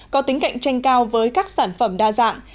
có tính cạnh tranh cao với các sản phẩm đa dạng